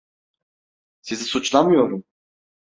Sizi suçlamıyorum.